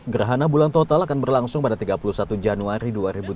gerhana bulan total akan berlangsung pada tiga puluh satu januari dua ribu delapan belas